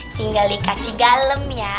tinggal ikati galem ya